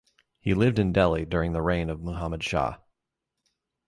He lived in Delhi during the reign of Muhammad Shah.